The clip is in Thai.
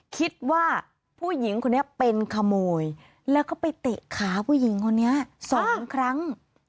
คิดว่าผู้หญิงคนนี้เป็นขโมยแล้วก็ไปเตะขาผู้หญิงคนนี้สองครั้ง